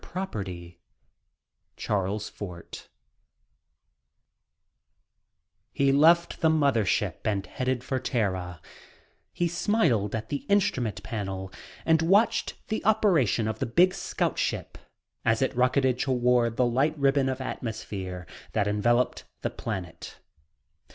FOREWORD He left the mother ship and headed for Terra; he smiled at the instrument panel and watched the operation of the big scout ship as it rocketed toward the light ribbon of atmosphere that enveloped the planet.